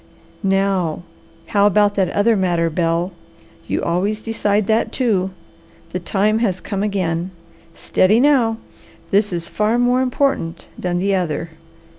"Now how about that other matter, Bel? You always decide that too. The time has come again. Steady now! This is far more important than the other.